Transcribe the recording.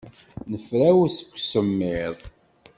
Nefrawes seg usemmiḍ.